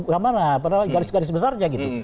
gimana padahal garis garis besar ya gitu